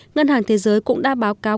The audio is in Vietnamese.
ngân hàng thế giới cũng đã báo cáo